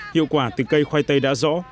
hiệu quả từ cây khoai tây đã rõ